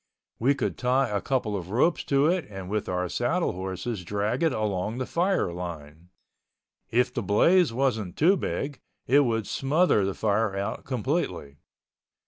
We could tie a couple of ropes to it and with our saddle horses drag it along the fire line. If the blaze wasn't too big, it would smother the fire out completely.